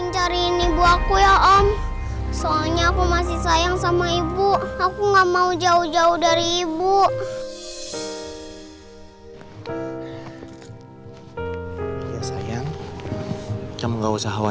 terima kasih ya